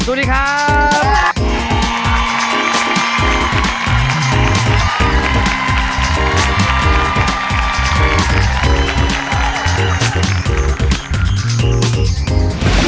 สวัสดีครับ